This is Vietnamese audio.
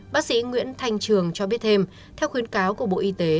bác sĩ nguyễn thanh trường cho biết thêm theo khuyến cáo của bộ y tế